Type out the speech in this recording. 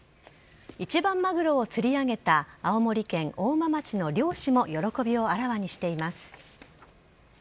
一番マグロを釣り上げた青森県大間町の漁師も喜びをあらわにしています。